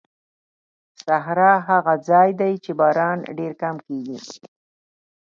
صحرا هغه ځای دی چې باران ډېر کم کېږي.